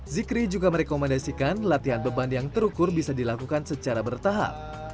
zikri juga merekomendasikan latihan beban yang terukur bisa dilakukan secara bertahap